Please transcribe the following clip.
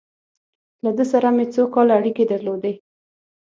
له ده سره مې څو کاله اړیکې درلودې.